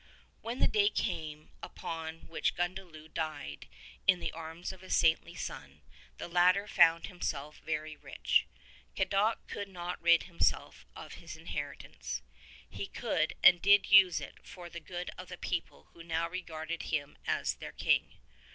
When the day came upon which Gundliew died in the arms of his saintly son, the latter found himself very rich. Cadoc could not rid himself of his inheritance. He could and did use it for the good of the people who now regarded him as their King.